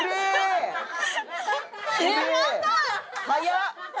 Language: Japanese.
早っ！